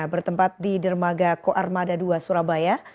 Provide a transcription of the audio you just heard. bertempat di dermaga koarmada ii surabaya